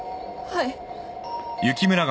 はい。